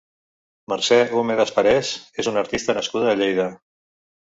Mercè Humedas Parés és una artista nascuda a Lleida.